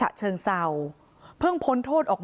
ไม่อยากให้ต้องมีการศูนย์เสียกับผมอีก